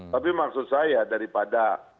tapi maksud saya daripada